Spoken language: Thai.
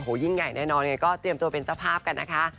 โหยิ่งใหญ่แน่นอนเนี่ยก็เตรียมตัวเป็นสภาพกันนะคะ